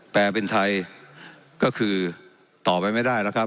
แปลว่าเป็นทัยก็คือตอบไปไม่ได้นะครับ